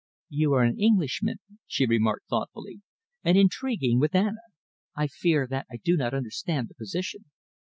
"You are an Englishman," she remarked thoughtfully, "and intriguing with Anna. I fear that I do not understand the position."